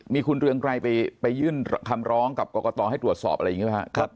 มีคุณเรืองไกรไปยื่นคำร้องกับกรกตให้ตรวจสอบอะไรอย่างนี้ไหมครับ